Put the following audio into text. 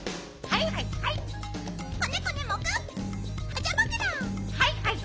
「はいはいはい」